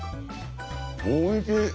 おいしい。